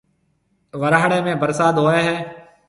ورھاݪيَ ۾ ڀرسات ھوئيَ ھيََََ